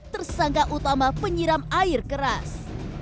tersangka utama penyiram air keras